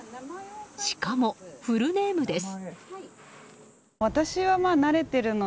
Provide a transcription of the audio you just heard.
しかもフルネームです。